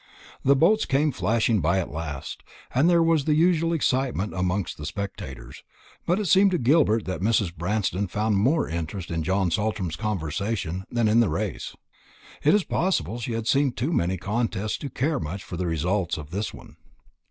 The boats came flashing by at last, and there was the usual excitement amongst the spectators; but it seemed to Gilbert that Mrs. Branston found more interest in John Saltram's conversation than in the race. It is possible she had seen too many such contests to care much for the result of this one.